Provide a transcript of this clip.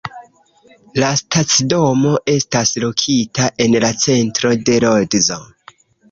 La stacidomo estas lokita en la centro de Lodzo.